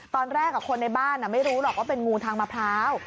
ตอนแรกคนในบ้านไม่รู้หรอกว่าเป็นงูทางมะพร้าว